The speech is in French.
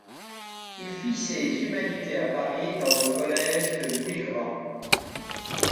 Il fit ses humanités à Paris, dans le collège de Louis-le-Grand.